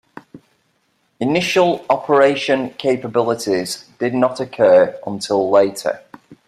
Initial operational capability did not occur until later.